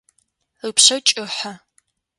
Ыпшъэ кӏыхьэ.